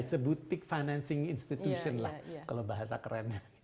it's a boutique financing institution lah kalau bahasa kerennya